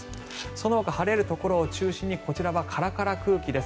そのほか晴れるところを中心にこちらはカラカラ空気です。